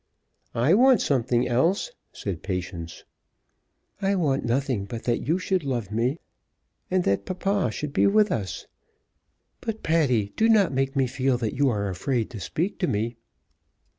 "I want something else," said Patience. "I want nothing but that you should love me; and that papa should be with us. But, Patty, do not make me feel that you are afraid to speak to me."